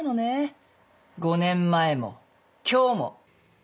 ５年前も今日も。